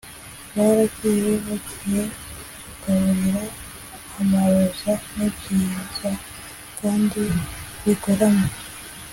baragiye. bagiye kugaburira amaroza. nibyiza kandi bigoramye